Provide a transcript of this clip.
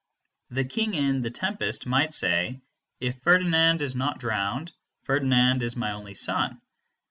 The King in "The Tempest" might say, "If Ferdinand is not drowned, Ferdinand is my only son."